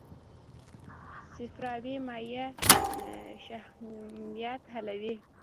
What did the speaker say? صفراوي مایع شحمیات حلوي.